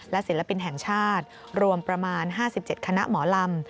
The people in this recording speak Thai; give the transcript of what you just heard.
และศิลปินแห่งชาติรวมประมาณห้าสิบเจ็ดคณะหมอลำ